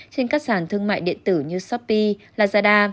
trên các sàn thương mại điện tử như shopee lazada